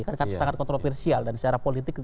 karena sangat kontroversial dan secara politik